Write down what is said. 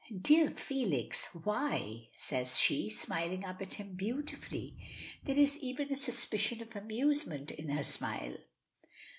"Dear Felix, why?" says she, smiling up at him beautifully. There is even a suspicion of amusement in her smile.